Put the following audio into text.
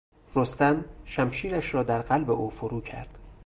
رستم شمشیرش را در قلب او فرو کرد.